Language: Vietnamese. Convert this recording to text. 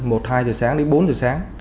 một hai giờ sáng đến bốn giờ sáng